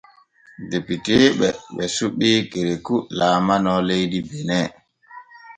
Depiteeɓe ɓe suɓi Kerekou laalano leydi Bene.